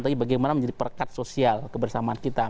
tapi bagaimana menjadi perekat sosial kebersamaan kita